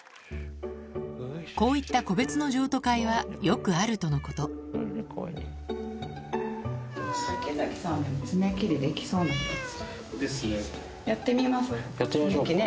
こういった個別の譲渡会はよくあるとのことですね。